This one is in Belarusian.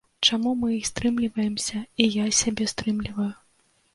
Чаму мы і стрымліваемся, і я сябе стрымліваю.